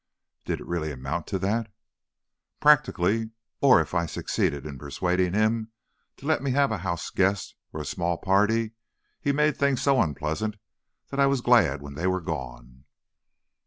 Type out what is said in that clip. "Did it really amount to that?" "Practically. Or, if I succeeded in persuading him to let me have a house guest or a small party, he made things so unpleasant that I was glad when they were gone."